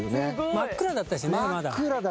真っ暗だったしねまだ。